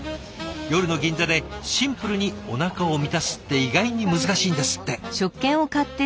夜の銀座でシンプルにおなかを満たすって意外に難しいんですって。